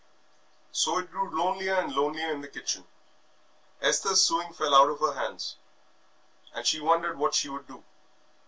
So it grew lonelier and lonelier in the kitchen. Esther's sewing fell out of her hands, and she wondered what she should do.